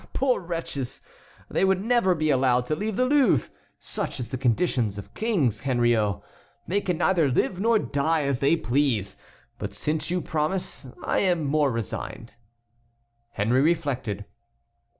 "Ah, poor wretches! They would never be allowed to leave the Louvre! Such is the condition of kings, Henriot. They can neither live nor die as they please. But since you promise I am more resigned." Henry reflected.